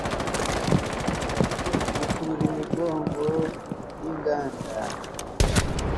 Gukurura imirongo yinganda nyinshi